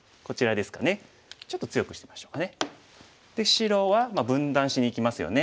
で白は分断しにいきますよね。